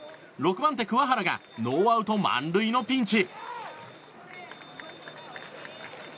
６番手、鍬原がノーアウト満塁のピンチ。